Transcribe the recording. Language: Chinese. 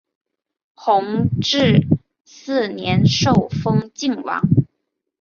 弘治四年受封泾王。